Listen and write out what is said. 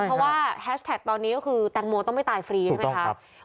เพราะว่าตอนนี้ก็คือแตงโมต้องไม่ตายฟรีใช่ไหมครับถูกต้องครับ